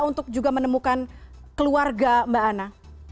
untuk juga menemukan keluarga mbak anna